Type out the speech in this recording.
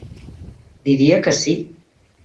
Diria que sí.